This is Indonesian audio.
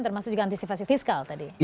termasuk juga antisipasi fiskal tadi